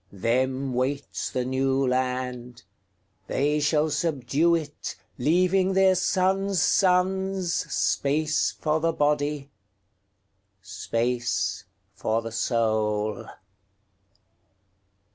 Them waits the New Land; They shall subdue it, Leaving their sons' sonsSpace for the body, Space for the soul.